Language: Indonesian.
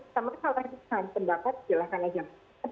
ya itu sama sekali pendapat silahkan aja